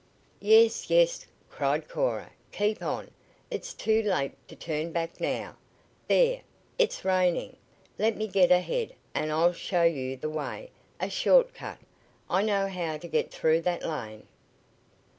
"Yes, yes!" cried Cora. "Keep on. It's too late to turn back now. There! It's raining! Let me get ahead, and I'll show you the way a short cut. I know how to get through that lane."